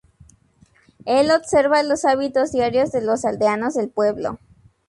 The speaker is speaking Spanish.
Él observa los hábitos diarios de los aldeanos del pueblo.